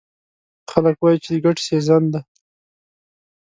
خلک وایي چې د ګټې سیزن دی.